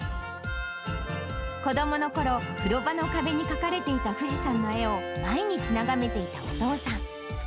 子どものころ、風呂場の壁に描かれていた富士山の絵を毎日、眺めていたお父さん。